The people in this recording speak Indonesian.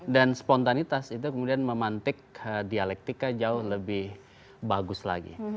dan spontanitas itu kemudian memantik dialektika jauh lebih bagus lagi